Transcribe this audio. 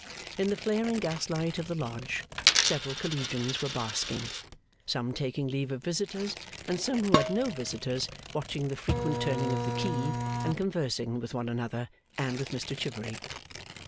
In the flaring gaslight of the Lodge, several Collegians were basking; some taking leave of visitors, and some who had no visitors, watching the frequent turning of the key, and conversing with one another and with Mr Chivery.